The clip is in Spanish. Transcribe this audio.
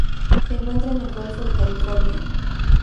Se encuentra en el Golfo de California.